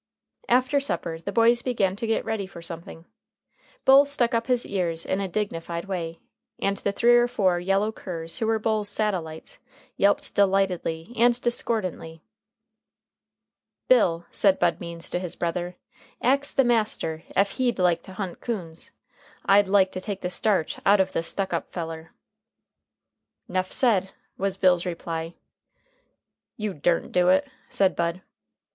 After supper, the boys began to get ready for something. Bull stuck up his ears in a dignified way, and the three or four yellow curs who were Bull's satellites yelped delightedly and discordantly. "Bill," said Bud Means to his brother, "ax the master ef he'd like to hunt coons. I'd like to take the starch out uv the stuck up feller." "'Nough said," was Bill's reply. "You durn't do it," said Bud.